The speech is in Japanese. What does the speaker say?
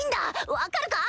分かるか？